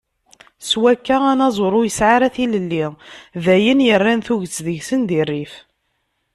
S wakka, anaẓur ur yesɛi ara tilelli, d ayen yerran tuget deg-sen di rrif.